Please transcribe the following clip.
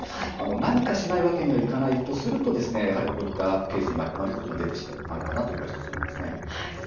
何かしないわけにはいかないとするとこういったケースに巻き込まれることも出てしまうかなというのが１つですね。